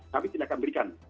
tapi tidak akan diberikan